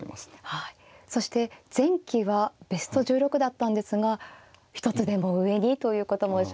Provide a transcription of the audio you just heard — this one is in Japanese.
はいそして前期はベスト１６だったんですが一つでも上にということもおっしゃってました。